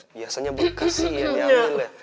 biasanya bekas sih yang diambil ya